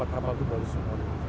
dua puluh empat kapal itu baru semua